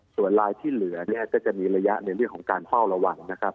ส่วนลายที่เหลือเนี่ยก็จะมีระยะในเรื่องของการเฝ้าระวังนะครับ